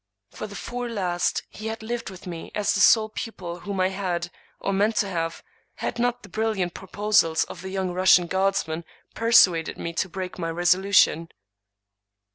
For the four last he had lived with me as the sole pupil whom I had, or meant to have, had not the brilliant proposals of the young Russian guardsman persuaded me to break my resolution.